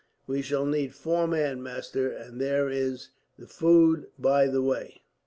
"We shall need four men, master, and there is the food by the way."